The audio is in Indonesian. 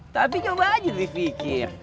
tapi ngapain aja di fikir